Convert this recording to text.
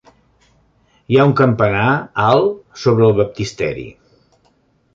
Hi ha un campanar alt sobre el baptisteri.